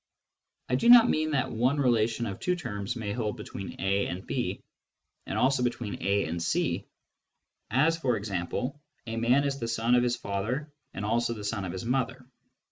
1 do not mean that one relation of two terms may hold between A and B, and also between A and C, as, for example, a man is the son of his father and also the son of his mother.